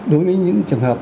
đối với những trường hợp